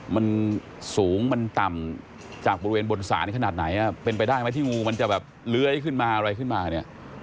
มันสูงมันต่ำจากบริเวณบนศาลขนาดไหนเป็นไปได้ไหมที่งูมันจะแบบเลื้อยขึ้นมาอะไรขึ้นมาเนี่ย